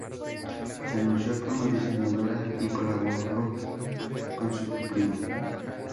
Se anunció como "diseñadora" y colaborado con su primo.